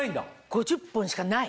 ５０本しかない⁉